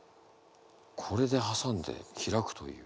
これで挟んで開くという。